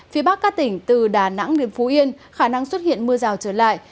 phía bắc các tỉnh từ đà nẵng đến phú yên khả năng xuất hiện mưa rào trở lại